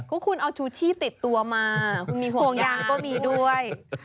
ก็คุณเอาชูชีพติดตัวมาคุณมีห่วงยางก็มีด้วย